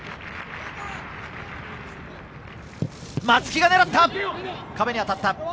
松木が狙った！